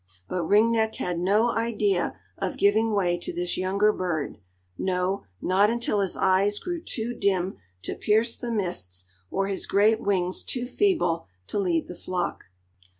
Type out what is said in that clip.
But Ring Neck had no idea of giving way to this younger bird, no, not until his eyes grew too dim to pierce the mists, or his great wings too feeble to lead the flock.